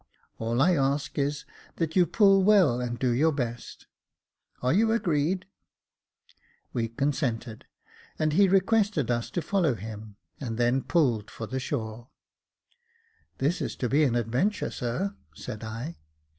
All I ask is, that you pull well and do your best. Are you agreed ?" Jacob Faithful 299 "We consented ; and he requested us to follow him, and then pulled for the shore. "This is to be an adventure, sir," said I.